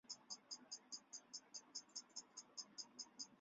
瓦列涅的水果保存方式。